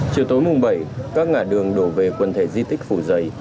chiều tối mùng bảy các ngã đường đổ về quần thể di tích phủ giấy